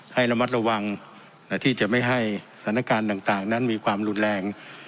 ให้ระมัดระวังที่จะไม่ให้สถานการณ์ต่างนั้นมีความรุนแรง